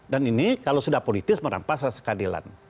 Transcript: dan ini kalau sudah politis merampas rasa keadilan